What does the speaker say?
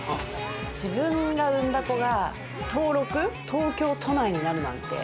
自分で産んだ子が、登録、東京都内になるなんて。